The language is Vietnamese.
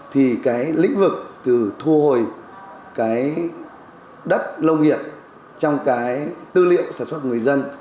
thì cái lĩnh vực từ thu hồi cái đất nông nghiệp trong cái tư liệu sản xuất người dân